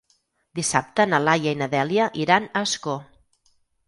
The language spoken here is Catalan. Dissabte na Laia i na Dèlia iran a Ascó.